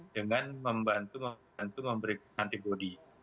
dengan membantu memberikan antibody